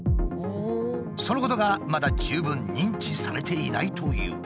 そのことがまだ十分認知されていないという。